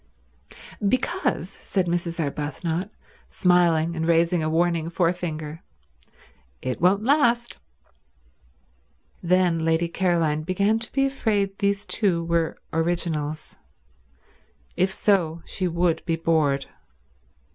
"Because," said Mrs. Arbuthnot, smiling and raising a warning forefinger, "it won't last." Then Lady Caroline began to be afraid these two were originals. If so, she would be bored.